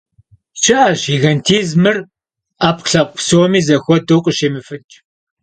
ЩыӀэщ гигантизмыр Ӏэпкълъэпкъ псоми зэхуэдэу къыщемыфыкӀ.